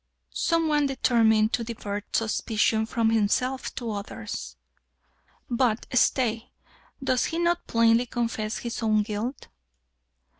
"Some one determined to divert suspicion from himself to others " "But stay does he not plainly confess his own guilt?"